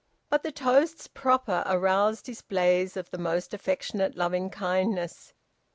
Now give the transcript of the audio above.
But the toasts proper aroused displays of the most affectionate loving kindness.